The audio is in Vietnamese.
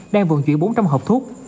đang vượn chuyển bốn trăm linh hộp thuốc